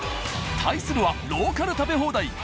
対するはローカル食べ放題。